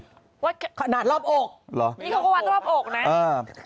ขนาดรอบอกนี่เขาก็ว่าตรวจรอบอกนะเออ